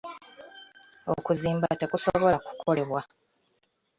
Okuzimba tekusobola kukolebwa.